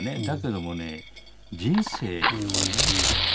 だけどもね人生をね